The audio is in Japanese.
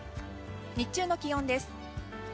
日中の気温です。